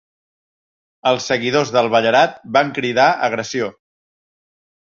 Els seguidors del Ballarat van cridar agressió.